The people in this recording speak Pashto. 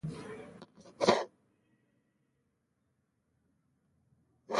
د دې کار لپاره د ټولو خواوو توافق شرط دی.